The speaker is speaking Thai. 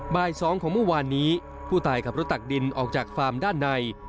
บ่าย๒ของเมื่อวานนี้ผู้ตายขับรถตักดินออกจากฟาร์มด้านใน